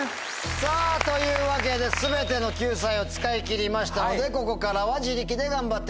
さぁというわけで全ての救済を使い切りましたのでここからは自力で頑張ってください。